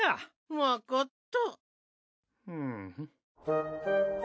わかった。